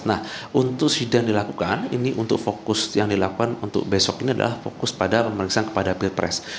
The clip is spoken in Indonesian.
nah untuk sidang dilakukan ini untuk fokus yang dilakukan untuk besok ini adalah fokus pada pemeriksaan kepada pilpres